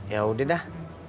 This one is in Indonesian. ya udah dah